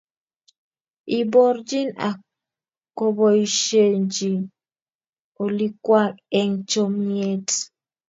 Iborjin ak koboisiechin olikwak eng chomyiet